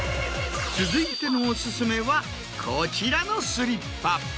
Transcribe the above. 続いてのお薦めはこちらのスリッパ。